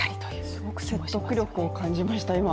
すごく説得力を感じました、今。